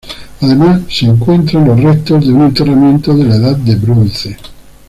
Además se encuentran los restos de un enterramiento de la Edad del Bronce.